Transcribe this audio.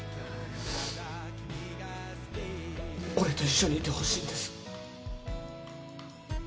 俺と一緒にいてほしいんです。